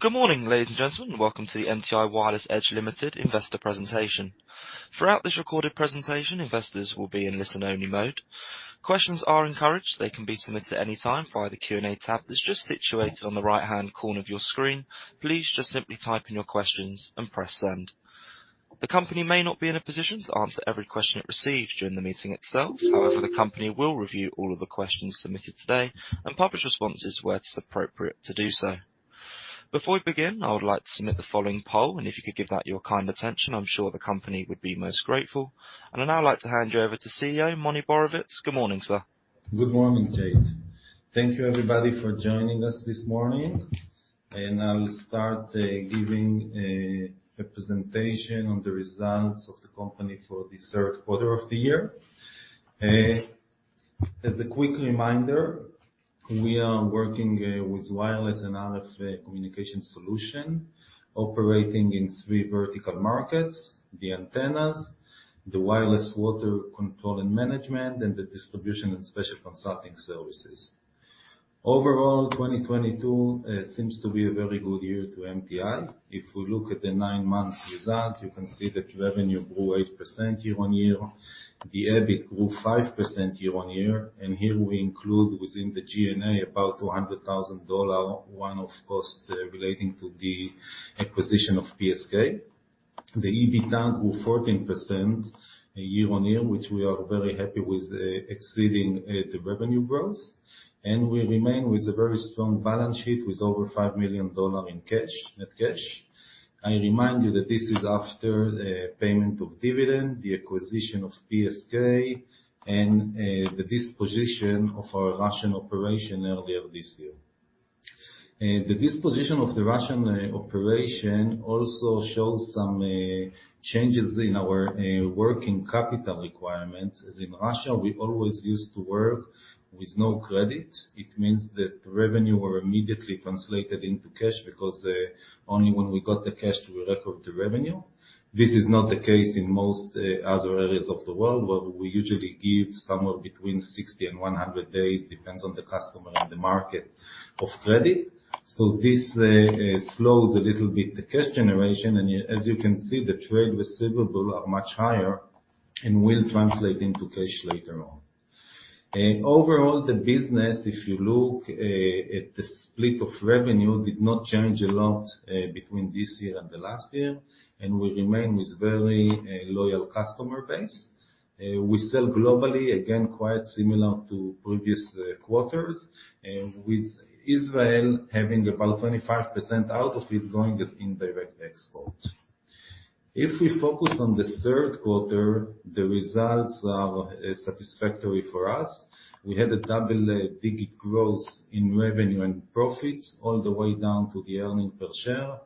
Good morning, ladies and gentlemen. Welcome to the MTI Wireless Edge Limited investor presentation. Throughout this recorded presentation, investors will be in listen-only mode. Questions are encouraged. They can be submitted any time via the Q&A tab that's just situated on the right-hand corner of your screen. Please just simply type in your questions and press send. The company may not be in a position to answer every question it receives during the meeting itself. However, the company will review all of the questions submitted today and publish responses where it's appropriate to do so. Before we begin, I would like to submit the following poll, and if you could give that your kind attention, I'm sure the company would be most grateful. I'd now like to hand you over to CEO, Moni Borovitz. Good morning, sir. Good morning, Jake. Thank you, everybody, for joining us this morning. I'll start giving a presentation on the results of the company for this third quarter of the year. As a quick reminder, we are working with wireless and RF communication solution, operating in three vertical markets, the antennas, the wireless water control and management, and the distribution and special consulting services. Overall, 2022 seems to be a very good year to MTI. If we look at the nine months result, you can see that revenue grew 8% year-on-year. The EBIT grew 5% year-on-year, and here we include within the G&A about $200,000, one-off cost relating to the acquisition of PSK. The EBITDA grew 14% year-on-year, which we are very happy with, exceeding the revenue growth. We remain with a very strong balance sheet with over $5 million in cash, net cash. I remind you that this is after the payment of dividend, the acquisition of PSK, and the disposition of our Russian operation earlier this year. The disposition of the Russian operation also shows some changes in our working capital requirements, as in Russia, we always used to work with no credit. It means that the revenue were immediately translated into cash because only when we got the cash, we record the revenue. This is not the case in most other areas of the world, where we usually give somewhere between 60 and 100 days, depends on the customer and the market of credit. This slows a little bit the cash generation. As you can see, the trade receivables are much higher and will translate into cash later on. Overall, the business, if you look at the split of revenue, did not change a lot between this year and the last year, we remain with very loyal customer base. We sell globally, again, quite similar to previous quarters, with Israel having about 25% out of it going as indirect export. If we focus on the third quarter, the results are satisfactory for us. We had a double-digit growth in revenue and profits all the way down to the earnings per share.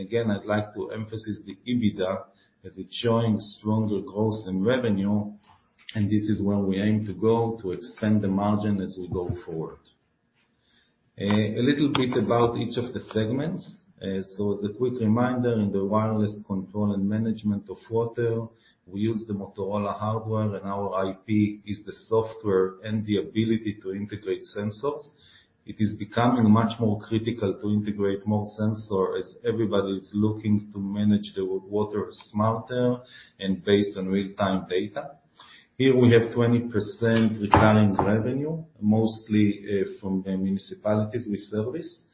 Again, I'd like to emphasize the EBITDA as it's showing stronger growth in revenue, this is where we aim to go to extend the margin as we go forward. A little bit about each of the segments. As a quick reminder, in the wireless control and management of water, we use the Motorola hardware, and our IP is the software and the ability to integrate sensors. It is becoming much more critical to integrate more sensor as everybody is looking to manage their water smarter and based on real-time data. Here, we have 20% recurring revenue, mostly from the municipalities we service.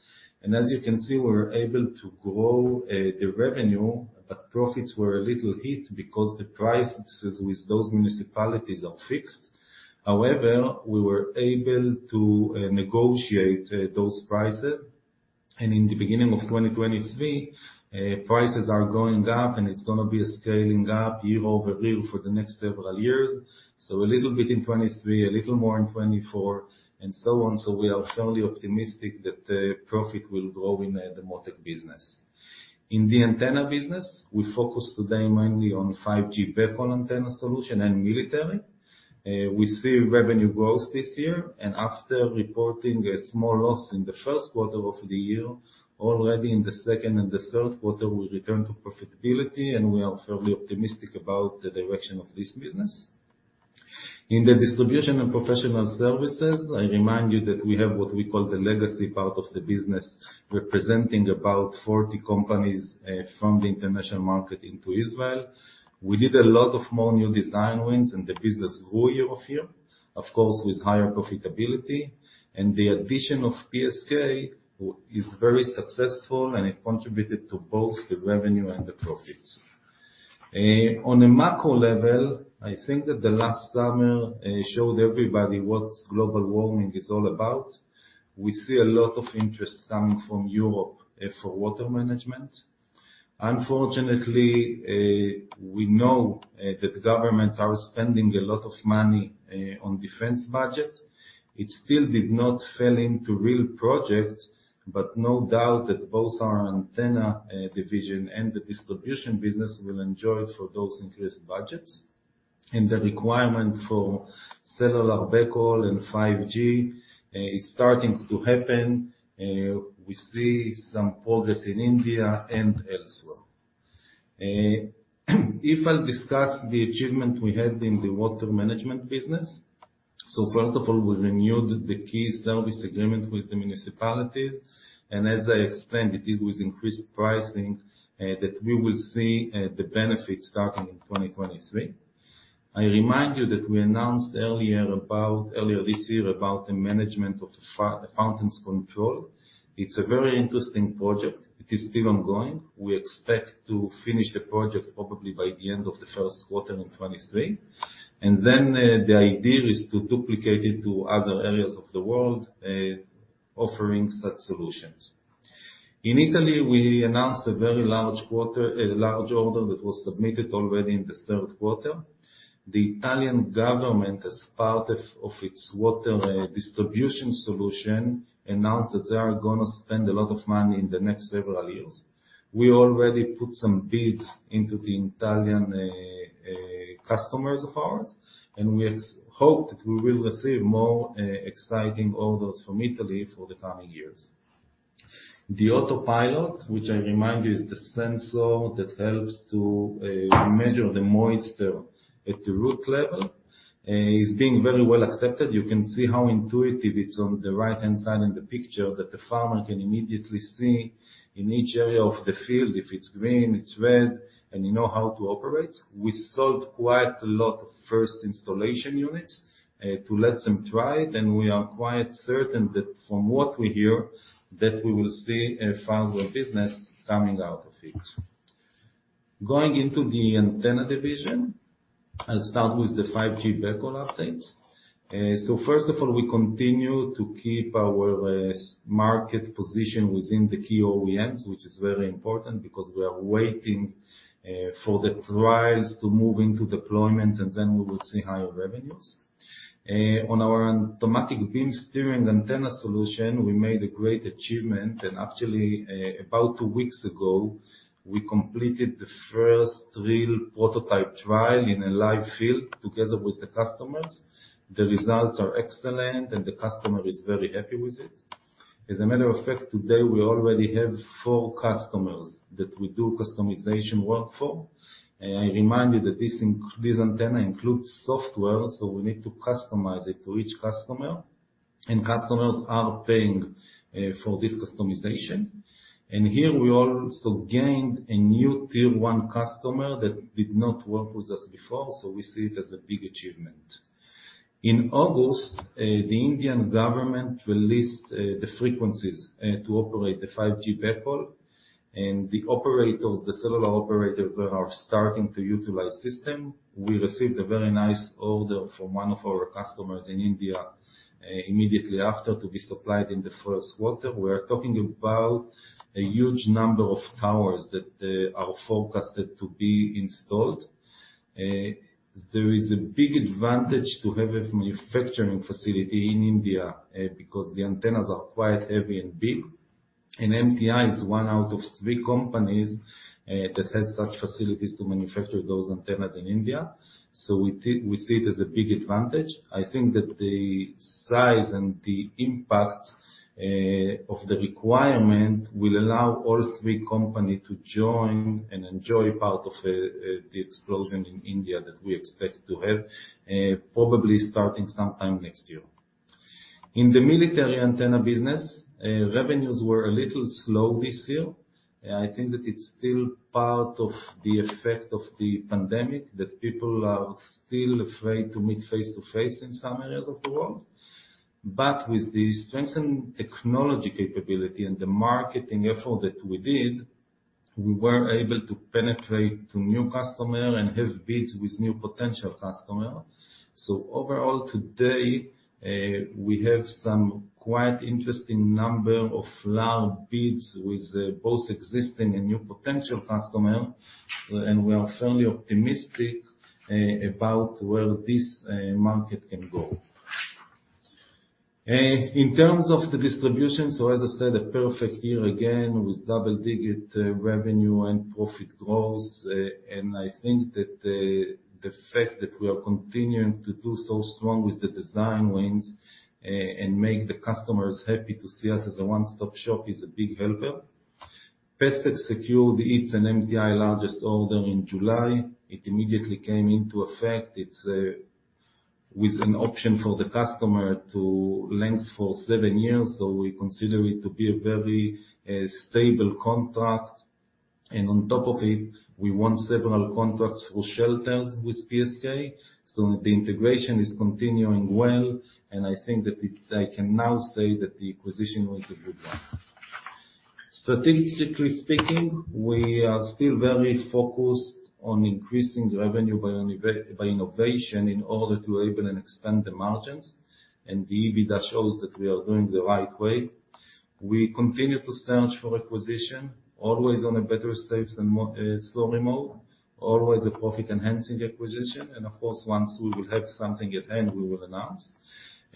As you can see, we're able to grow the revenue, but profits were a little hit because the prices with those municipalities are fixed. However, we were able to negotiate those prices, and in the beginning of 2023, prices are going up, and it's gonna be scaling up year-over-year for the next several years. A little bit in 2023, a little more in 2024, and so on. We are fairly optimistic that profit will grow in the water business. In the antenna business, we focus today mainly on 5G backhaul antenna solution and military. We see revenue growth this year. After reporting a small loss in the first quarter of the year, already in the second and the third quarter, we return to profitability, and we are fairly optimistic about the direction of this business. In the distribution and professional services, I remind you that we have what we call the legacy part of the business, representing about 40 companies from the international market into Israel. We did a lot of more new design wins, and the business grew year-over-year, of course, with higher profitability. The addition of PSK is very successful, and it contributed to both the revenue and the profits. On a macro level, I think that the last summer showed everybody what global warming is all about. We see a lot of interest coming from Europe for water management. Unfortunately, we know that governments are spending a lot of money on defense budget. It still did not fell into real projects, but no doubt that both our antenna division and the distribution business will enjoy for those increased budgets. The requirement for cellular backhaul and 5G is starting to happen. We see some progress in India and elsewhere. If I'll discuss the achievement we had in the water management business. First of all, we renewed the key service agreement with the municipalities, and as I explained, it is with increased pricing that we will see the benefit starting in 2023. I remind you that we announced earlier this year about the management of fountains control. It's a very interesting project. It is still ongoing. We expect to finish the project probably by the end of the first quarter in 23, and then the idea is to duplicate it to other areas of the world, offering such solutions. In Italy, we announced a very large order that was submitted already in the third quarter. The Italian government, as part of its water distribution solution, announced that they are gonna spend a lot of money in the next several years. We already put some bids into the Italian customers of ours, and we hope that we will receive more exciting orders from Italy for the coming years. The autopilot, which I remind you, is the sensor that helps to measure the moisture at the root level, is being very well accepted. You can see how intuitive it's on the right-hand side in the picture, that the farmer can immediately see in each area of the field, if it's green, it's red, and you know how to operate. We sold quite a lot of first installation units to let them try it, and we are quite certain that from what we hear, that we will see a favorable business coming out of it. Going into the antenna division, I'll start with the 5G backhaul updates. First of all, we continue to keep our market position within the key OEMs, which is very important because we are waiting for the trials to move into deployment, and then we will see higher revenues. On our Automatic Beam Steering Antenna solution, we made a great achievement, and actually, about two weeks ago, we completed the first real prototype trial in a live field together with the customers. The results are excellent, and the customer is very happy with it. As a matter of fact, today, we already have four customers that we do customization work for. I remind you that this antenna includes software, so we need to customize it to each customer, and customers are paying for this customization. Here we also gained a new tier one customer that did not work with us before, so we see it as a big achievement. In August, the Indian government released the frequencies to operate the 5G backhaul, and the operators, the cellular operators are starting to utilize system. We received a very nice order from one of our customers in India, immediately after to be supplied in the first quarter. We are talking about a huge number of towers that are forecasted to be installed. There is a big advantage to have a manufacturing facility in India, because the antennas are quite heavy and big. MTI is out out of three companies that has such facilities to manufacture those antennas in India. We see it as a big advantage. I think that the size and the impact of the requirement will allow all three company to join and enjoy part of the explosion in India that we expect to have, probably starting sometime next year. In the military antenna business, revenues were a little slow this year. I think that it's still part of the effect of the pandemic, that people are still afraid to meet face-to-face in some areas of the world. With the strengthened technology capability and the marketing effort that we did, we were able to penetrate to new customer and have bids with new potential customer. Overall, today, we have some quite interesting number of large bids with both existing and new potential customer, and we are fairly optimistic about where this market can go. In terms of the distribution, so as I said, a perfect year again, with double-digit revenue and profit growth. I think that the fact that we are continuing to do so strong with the design wins, and make the customers happy to see us as a one-stop shop is a big helper. PSK secured its and MTI largest order in July. It immediately came into effect. It's with an option for the customer to length for seven years. We consider it to be a very stable contract. On top of it, we won several contracts for shelters with PSK. The integration is continuing well, and I think that I can now say that the acquisition was a good one. Strategically speaking, we are still very focused on increasing the revenue by innovation in order to able and expand the margins. The EBITDA shows that we are doing the right way. We continue to search for acquisition, always on a better, safe, and slow mode, always a profit-enhancing acquisition. Of course, once we will have something at hand, we will announce.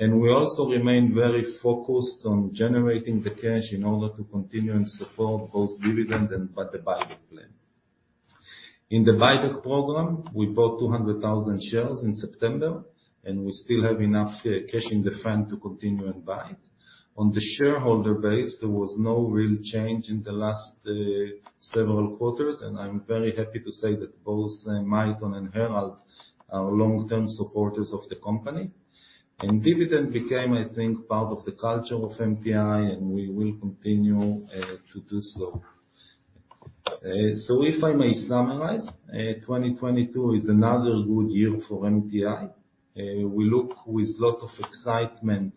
We also remain very focused on generating the cash in order to continue and support both dividend and by the buyback plan. In the buyback program, we bought 200,000 shares in September. We still have enough cash in the fund to continue and buy it. On the shareholder base, there was no real change in the last several quarters. I'm very happy to say that both Milton and Herald are long-term supporters of the company. Dividend became, I think, part of the culture of MTI, and we will continue to do so. If I may summarize, 2022 is another good year for MTI. We look with lot of excitement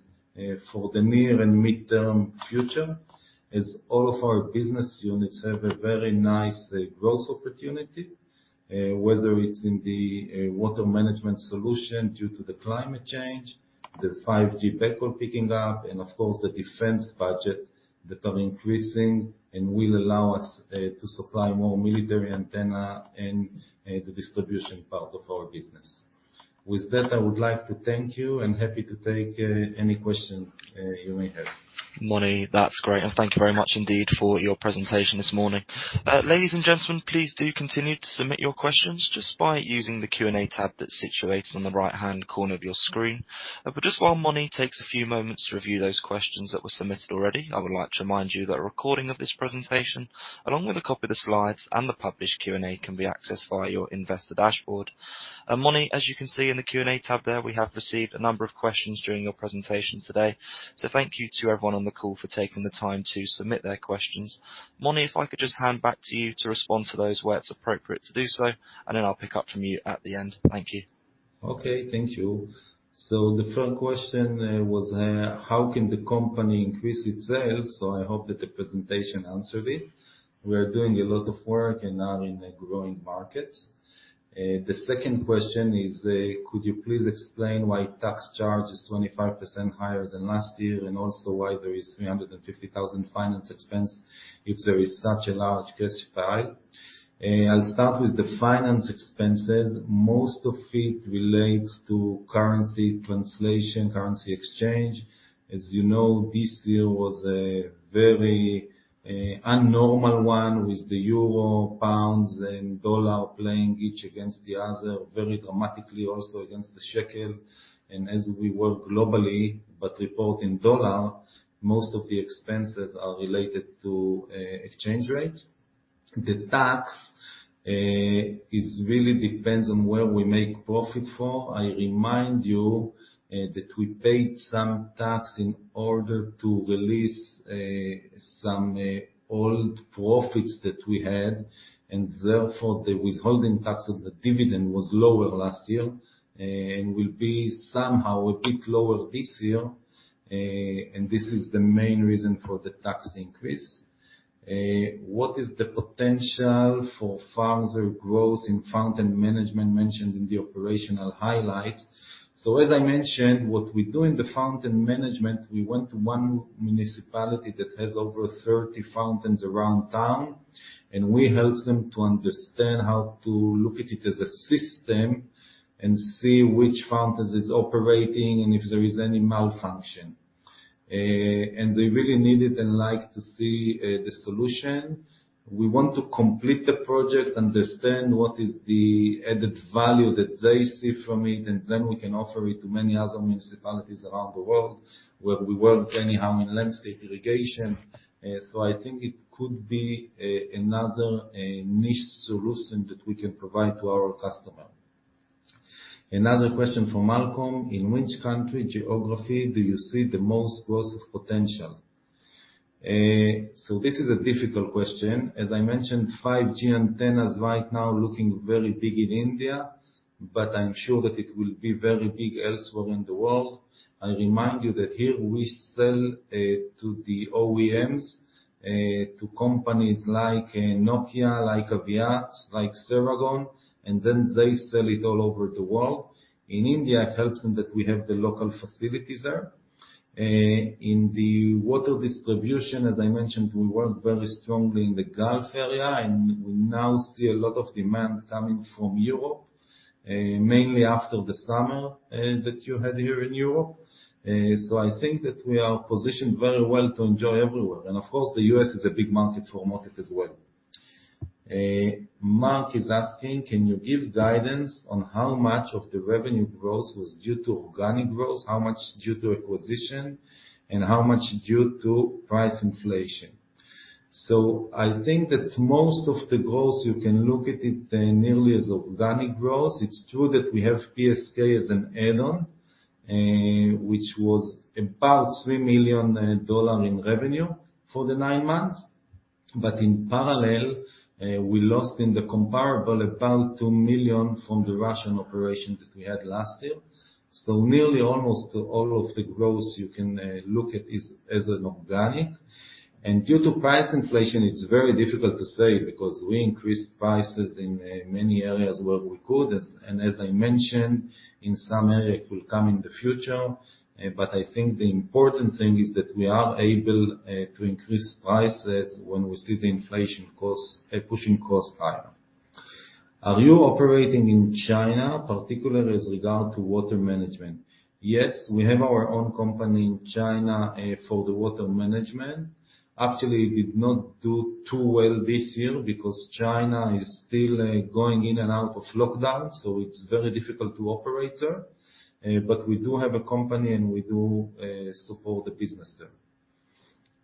for the near and mid-term future as all of our business units have a very nice growth opportunity, whether it's in the water management solution due to the climate change, the 5G backhaul picking up, and of course, the defense budget that are increasing and will allow us to supply more military antenna in the distribution part of our business. I would like to thank you, and happy to take any question you may have. Moni, that's great, thank you very much indeed for your presentation this morning. Ladies and gentlemen, please do continue to submit your questions just by using the Q&A tab that's situated on the right-hand corner of your screen. Just while Moni takes a few moments to review those questions that were submitted already, I would like to remind you that a recording of this presentation, along with a copy of the slides and the published Q&A, can be accessed via your investor dashboard. Moni, as you can see in the Q&A tab there, we have received a number of questions during your presentation today. Thank you to everyone on the call for taking the time to submit their questions. Moni, if I could just hand back to you to respond to those where it's appropriate to do so, and then I'll pick up from you at the end. Thank you. Okay, thank you. The first question was, how can the company increase its sales? I hope that the presentation answered it. We're doing a lot of work and are in a growing market. The second question is, could you please explain why tax charge is 25% higher than last year, and also why there is $350,000 finance expense if there is such a large cash pile? I'll start with the finance expenses. Most of it relates to currency translation, currency exchange. As you know, this year was a very unnormal one with the euro, pounds, and dollar playing each against the other, very dramatically also against the shekel. As we work globally, but report in dollar, most of the expenses are related to exchange rates. The tax is really depends on where we make profit for. I remind you that we paid some tax in order to release some old profits that we had, and therefore, the withholding tax of the dividend was lower last year and will be somehow a bit lower this year. This is the main reason for the tax increase. What is the potential for further growth in fountain management mentioned in the operational highlights? As I mentioned, what we do in the fountain management, we went to one municipality that has over 30 fountains around town, and we helped them to understand how to look at it as a system and see which fountains is operating and if there is any malfunction. They really need it and like to see the solution. We want to complete the project, understand what is the added value that they see from it, and then we can offer it to many other municipalities around the world where we work anyhow in landscape irrigation. I think it could be another niche solution that we can provide to our customer. Another question from Malcolm. In which country geography do you see the most growth potential? This is a difficult question. As I mentioned, 5G antennas right now looking very big in India, but I'm sure that it will be very big elsewhere in the world. I remind you that here we sell to the OEMs, to companies like Nokia, like Aviat, like Ceragon, and then they sell it all over the world. In India, it helps in that we have the local facilities there. In the water distribution, as I mentioned, we work very strongly in the Gulf area, and we now see a lot of demand coming from Europe, mainly after the summer that you had here in Europe. I think that we are positioned very well to enjoy everywhere. The U.S. is a big market for Mottech as well. Mark is asking: Can you give guidance on how much of the revenue growth was due to organic growth, how much due to acquisition, and how much due to price inflation? I think that most of the growth, you can look at it nearly as organic growth. It's true that we have PSK as an add-on, which was about $3 million in revenue for the nine months. In parallel, we lost in the comparable about $2 million from the Russian operation that we had last year. Nearly almost all of the growth you can look at is as an organic. Due to price inflation, it's very difficult to say because we increased prices in many areas where we could. As I mentioned, in some areas will come in the future. I think the important thing is that we are able to increase prices when we see the inflation cost pushing cost higher. Are you operating in China, particularly with regard to water management? Yes, we have our own company in China for the water management. Actually, it did not do too well this year because China is still going in and out of lockdown, so it's very difficult to operate there. We do have a company, and we do support the business there.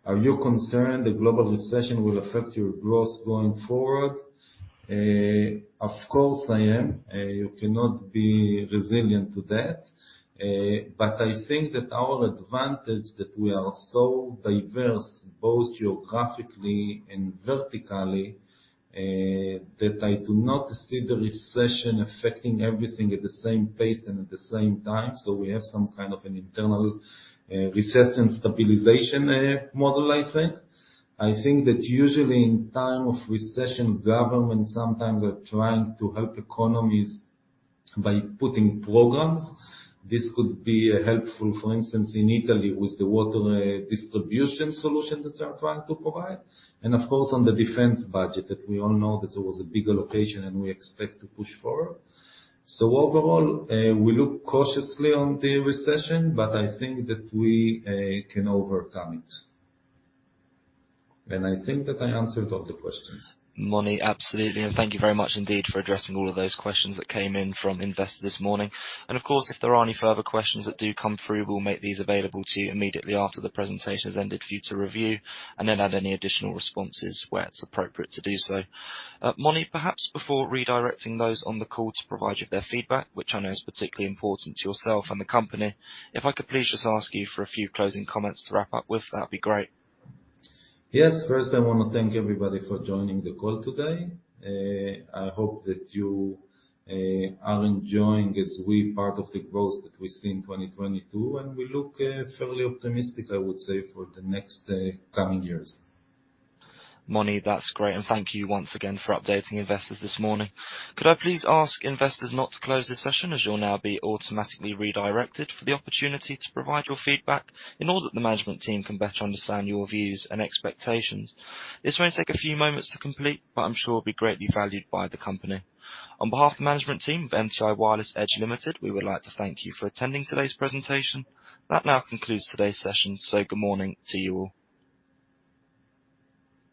Are you concerned the global recession will affect your growth going forward? Of course I am. You cannot be resilient to that. I think that our advantage that we are so diverse, both geographically and vertically, that I do not see the recession affecting everything at the same pace and at the same time. We have some kind of an internal recession stabilization model, I think. I think that usually in time of recession, governments sometimes are trying to help economies by putting programs. This could be helpful, for instance, in Italy with the water distribution solution that they are trying to provide and of course, on the defense budget that we all know that there was a big allocation, and we expect to push forward. Overall, we look cautiously on the recession, but I think that we can overcome it. I think that I answered all the questions. Moni, absolutely. Thank you very much indeed for addressing all of those questions that came in from investors this morning. Of course, if there are any further questions that do come through, we'll make these available to you immediately after the presentation has ended for you to review and then add any additional responses where it's appropriate to do so. Moni, perhaps before redirecting those on the call to provide you their feedback, which I know is particularly important to yourself and the company, if I could please just ask you for a few closing comments to wrap up with, that'd be great. Yes. First, I wanna thank everybody for joining the call today. I hope that you are enjoying as we part of the growth that we see in 2022. We look fairly optimistic, I would say, for the next coming years. Moni, that's great. Thank you once again for updating investors this morning. Could I please ask investors not to close this session as you'll now be automatically redirected for the opportunity to provide your feedback in order that the management team can better understand your views and expectations. This may take a few moments to complete, but I'm sure will be greatly valued by the company. On behalf of the management team of MTI Wireless Edge Limited, we would like to thank you for attending today's presentation. That now concludes today's session, good morning to you all.